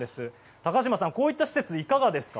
高島さん、こういった施設いかがですか？